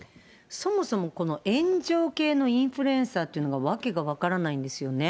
そもそもこの炎上系のインフルエンサーってのが、訳が分からないんですよね。